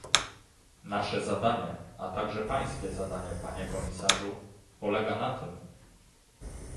Nasze zadanie, a także pańskie zadanie, panie komisarzu, polega na tym